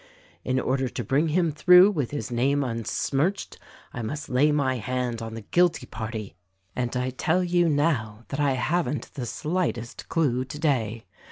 In order to bring him through with his name unsmirched I must lay my hand on the guilty party; and I tell you, now, that I haven't the slightest clue, today.